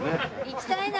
行きたいな！